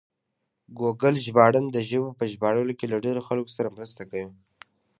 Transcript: ګوګل ژباړن د ژبو په ژباړلو کې له ډېرو خلکو سره مرسته کوي.